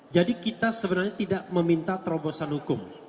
jadi kita sebenarnya tidak meminta terobosan hukum